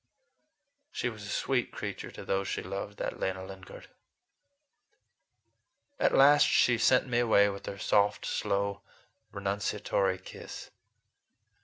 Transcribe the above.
She was a sweet creature to those she loved, that Lena Lingard! At last she sent me away with her soft, slow, renunciatory kiss.